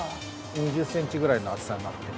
２０センチぐらいの厚さになっています。